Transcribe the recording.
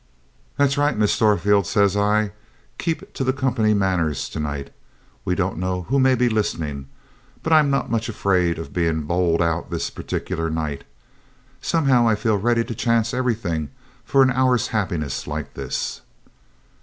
'That's right, Miss Storefield,' says I. 'Keep to the company manners to night. We don't know who may be listening; but I'm not much afraid of being bowled out this particular night. Somehow I feel ready to chance everything for an hour's happiness like this.'